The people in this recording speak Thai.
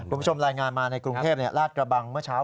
คุณผู้ชมรายงานมาในกรุงเทพลาดกระบังเมื่อเช้า